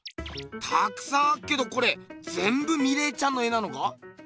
たくさんあっけどこれぜんぶミレーちゃんの絵なのか？